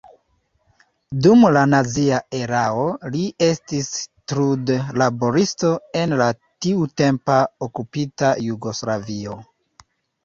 Dum la nazia erao li estis trudlaboristo en la tiutempa okupita Jugoslavio.